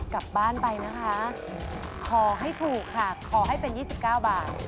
กลับบ้านไปนะคะขอให้ถูกค่ะขอให้เป็น๒๙บาท